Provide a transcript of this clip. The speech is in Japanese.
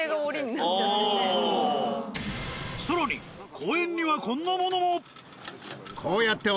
公園にはこんなものも。